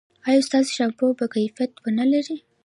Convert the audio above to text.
ایا ستاسو شامپو به کیفیت و نه لري؟